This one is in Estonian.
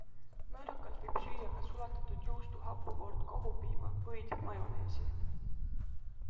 Mõõdukalt võib süüa ka sulatatud juustu, hapukoort, kohupiima, võid, majoneesi.